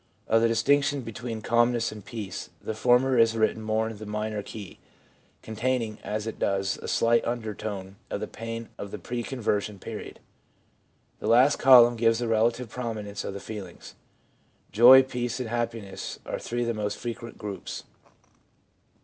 Of the dis tinction between calmness and peace, the former is written more in the minor key, containing, as it does, a slight undertone of the pain of the pre conversion period. The last column gives the relative prominence of the feelings. Joy, peace and happiness are three of the most frequent groups.